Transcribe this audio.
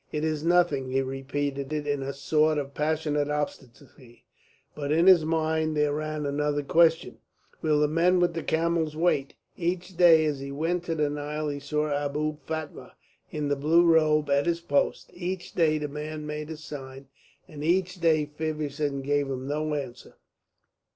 "It is nothing," he repeated in a sort of passionate obstinacy; but in his mind there ran another question, "Will the men with the camels wait?" Each day as he went to the Nile he saw Abou Fatma in the blue robe at his post; each day the man made his sign, and each day Feversham gave no answer.